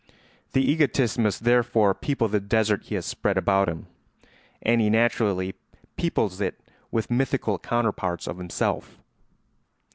The egotist must therefore people the desert he has spread about him, and he naturally peoples it with mythical counterparts of himself.